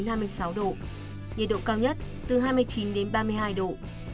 nhiệt độ cao nhất từ hai mươi chín đến ba mươi hai độ